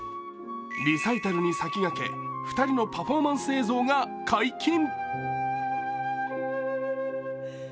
リサイタルに先駆け２人のパフォーマンス映像が解禁。